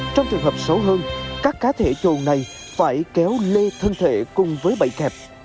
trong trường hợp xấu hơn các cá thể trồn này phải kéo lê thân thể cùng với bẫy kẹp